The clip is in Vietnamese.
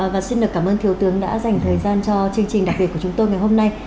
và xin được cảm ơn thiếu tướng đã dành thời gian cho chương trình đặc biệt của chúng tôi ngày hôm nay